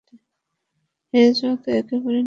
হেরে যাওয়া তো একেবারে ন্যায়সঙ্গত ছিল।